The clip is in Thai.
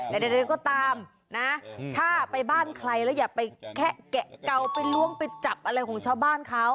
ใดก็ตามนะถ้าไปบ้านใครแล้วอย่าไปแคะแกะเก่าไปล้วงไปจับอะไรของชาวบ้านเขา